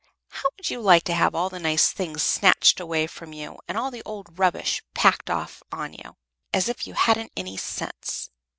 How would you like to have all the nice things snatched away from you, and all the old rubbish packed off on you, as if you hadn't any sense?